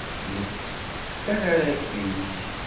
Nekk d tanaragt-nnek.